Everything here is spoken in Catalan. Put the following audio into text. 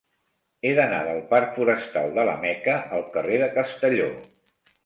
He d'anar del parc Forestal de la Meca al carrer de Castelló.